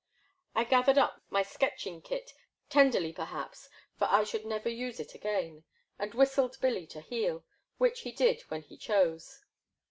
'* I gathered up my sketching kit, tenderly per haps, for I should never use it again, and whistled Billy to heel, — ^which he did when he chose.